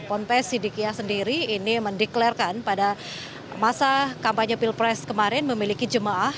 ponpes sidikiyah sendiri ini mendeklarkan pada masa kampanye pilpres kemarin memiliki jemaah